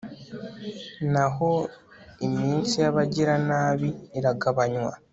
naho iminsi y'abagiranabi iragabanywa